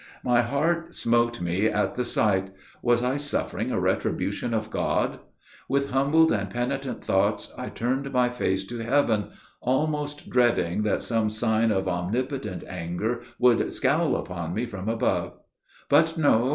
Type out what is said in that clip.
My heart smote me at the sight. Was I suffering a retribution of God? With humbled and penitent thoughts, I turned my face to heaven, almost dreading that some sign of omnipotent anger would scowl upon me from above. But no!